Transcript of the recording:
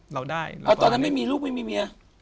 เราได้แล้วเพราะตอนนั้นไม่มีลูกไม่มีเมีย